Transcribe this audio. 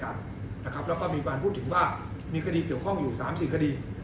และก็ก็มีบ้าอานพูดถึงว่ามีคติเกี่ยวข้องอยู่๓๔คติ